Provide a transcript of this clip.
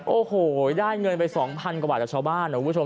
โอ้โหได้เงินไป๒๐๐กว่าบาทจากชาวบ้านนะคุณผู้ชม